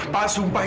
pak sumpah itu